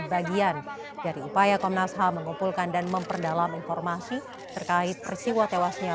bagian dari upaya komnas ham mengumpulkan dan memperdalam informasi terkait peristiwa tewasnya